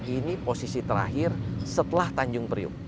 ini posisi terakhir setelah tanjung priuk